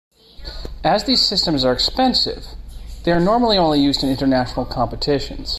As these systems are expensive, they are normally only used in international competitions.